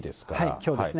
きょうですね。